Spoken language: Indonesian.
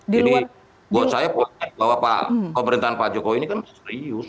jadi buat saya perhatikan bahwa pemerintahan pak jokowi ini kan serius